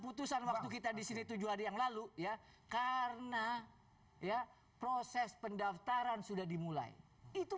putusan waktu kita disini tujuh hari yang lalu ya karena ya proses pendaftaran sudah dimulai itu